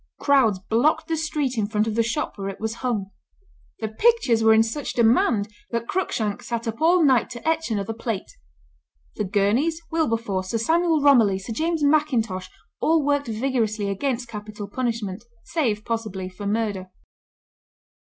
Crowds blocked the street in front of the shop where it was hung. The pictures were in such demand that Cruikshank sat up all night to etch another plate. The Gurneys, Wilberforce, Sir Samuel Romilly, Sir James Mackintosh, all worked vigorously against capital punishment, save, possibly, for murder.